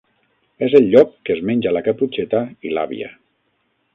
És el llop que es menja la Caputxeta i l'àvia.